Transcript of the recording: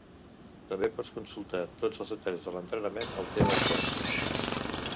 També pots consultar tots els detalls de l'entrenament al teu iPod.